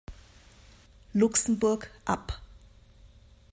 Luxemburg ab.